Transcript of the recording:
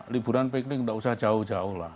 liburan pikir tidak usah jauh jauh